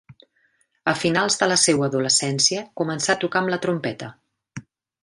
A finals de la seua adolescència començà a tocar amb la trompeta.